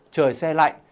trời xe lạnh